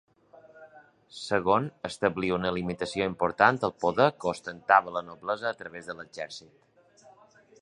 Segon, establia una limitació important al poder que ostentava la noblesa a través de l'exèrcit.